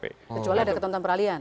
kecuali ada ketonton perahlian